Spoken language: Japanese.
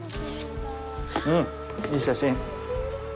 うん、いい写真。